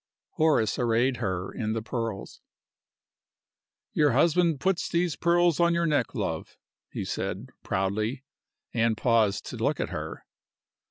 Horace arrayed her in the pearls. "Your husband puts these pearls on your neck, love," he said, proudly, and paused to look at her.